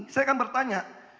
saya akan bertanya